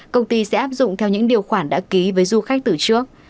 công ty sẽ áp dụng theo những điều khoản đã ký với du khách từ trước